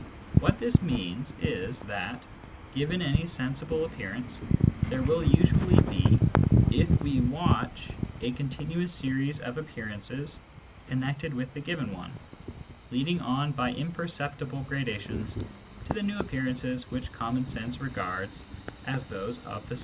What this means is that, given any sensible appearance, there will usually be, if we watch^ a con tinuous series of appearances connected with the grven one, leading on by imperceptible gradations t<r the new appearances which common sense regards as those i)f the